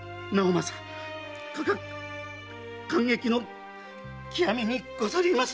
正か感激の極みにござりまする！